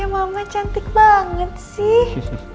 ya ampun anaknya mama cantik banget sih